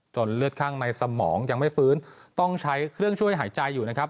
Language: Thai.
เลือดข้างในสมองยังไม่ฟื้นต้องใช้เครื่องช่วยหายใจอยู่นะครับ